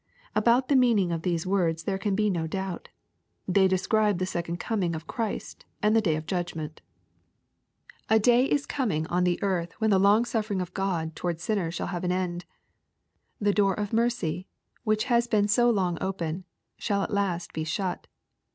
About the meaning of these words there can be no doubt. They describe the second coming of Christ and the day of judgment. LUKK, CHAP. XIII. 133 A day is coming on the earth when the long suffering of God towards sinners shall have an end. The door of mercy, which has been so long open, shall at last be shut.